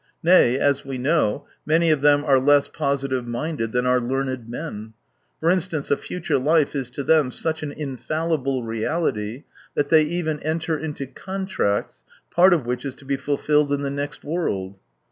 Nay, as we know, many of them are less positive minded than our learned men. For instance, a future life is to them such an infallible reality that they even enter into contracts, part of which is to be fulfilled in the next world.